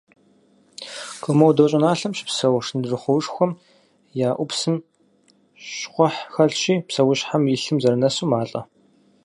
Комодо щӏыналъэм щыпсэу шындрыхъуоушхуэхэм я ӏупсым щхъухь хэлъщи, псэущхьэм и лъым зэрынэсу малӏэ.